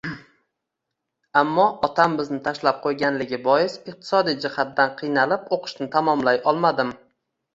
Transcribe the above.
Ammo otam bizni tashlab qo`yganligi bois iqtisodiy jihatdan qiynalib o`qishni tamomlay olmadim